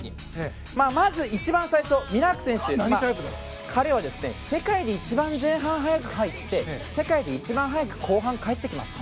まず、一番最初、ミラーク選手彼は世界で一番前半早く入って世界で一番早く後半、帰ってきます。